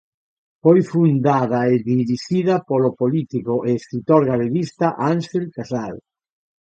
Foi fundada e dirixida polo político e escritor galeguista Ánxel Casal.